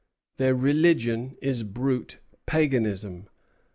Their religion is brute paganism.